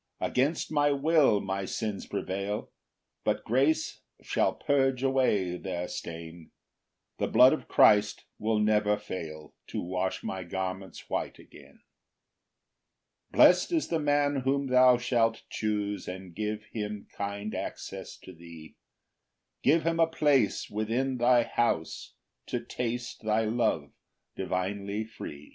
3 Against my will my sins prevail, But grace shall purge away their stain; The blood of Christ will never fail To wash my garments white again. 4 Blest is the man whom thou shalt choose, And give him kind access to thee, Give him a place within thy house, To taste thy love divinely free.